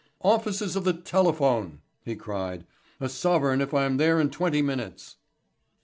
"Offices of the Telephone," he cried. "A sovereign if I'm there in twenty minutes."